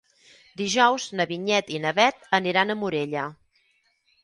Dijous na Vinyet i na Bet aniran a Morella.